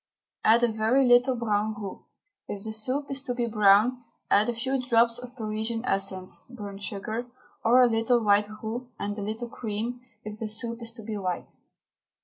Add a very little brown roux, if the soup is to be brown, and a few drops of Parisian essence (burnt sugar), or a little white roux and a little cream if the soup is to be white.